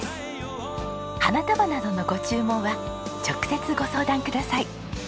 花束などのご注文は直接ご相談ください。